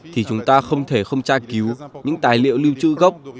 thì chúng ta không thể không tra cứu những tài liệu liêu chữ gốc